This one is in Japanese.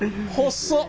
細っ！